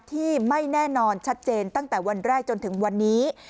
ที่ไม่แน่นอนชัดเจนตั้งแต่วันแรกจนถึงวันนี้